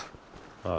ああ。